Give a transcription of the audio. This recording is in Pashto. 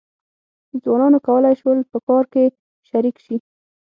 ځوانانو کولای شول په کار کې شریک شي.